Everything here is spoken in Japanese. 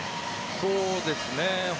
そうですね。